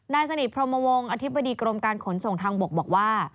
นายสนิทพรมวงศ์อธิบดีกรมการขนส่งทางบกบอกว่า